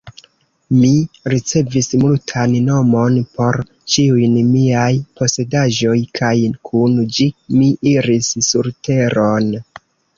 Mi ricevis multan monon por ĉiujn miaj posedaĵoj, kaj kun ĝi, mi iris surteron.